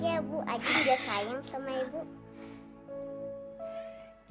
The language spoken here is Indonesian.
ibu juga sayang banget sama kamu